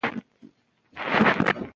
آیا تاسو کله له یو ښه انسان سره مرسته کړې؟